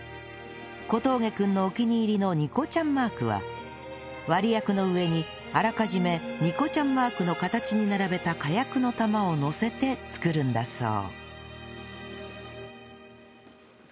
小峠君のお気に入りのニコちゃんマークは割薬の上にあらかじめニコちゃんマークの形に並べた火薬の玉をのせて作るんだそう